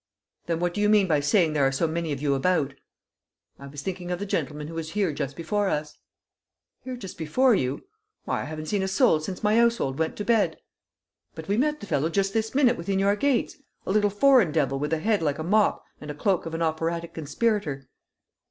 "Then what do you mean by saying there are so many of you about?" "I was thinking of the gentleman who was here just before us." "Here just before you? Why, I haven't seen a soul since my 'ousehold went to bed." "But we met the fellow just this minute within your gates: a little foreign devil with a head like a mop and the cloak of an operatic conspirator."